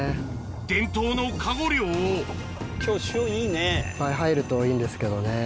伝統のカゴ漁を今日潮いいね。いっぱい入るといいですけどね。